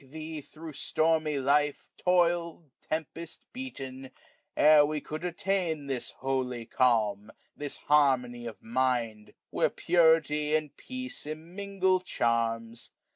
thee^ thro' stormy life» *^ Toil'd, tempest beaten, ere we could attain ^^ This holy calm, this harmony of mind, 559 ^^ Where purity and peace immingle channs.